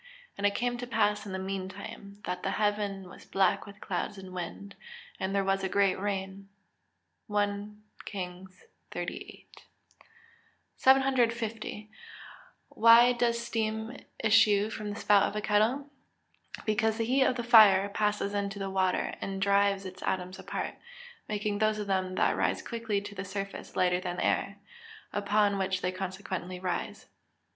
And it came to pass in the meantime, that the heaven was black with clouds and wind, and there was a great rain." 1 KINGS XVIII.] 750. Why does steam issue from the spout of a kettle? Because the heat of the fire passes into the water, and drives its atoms apart, making those of them that rise quickly to the surface lighter than the air, upon which they consequently rise.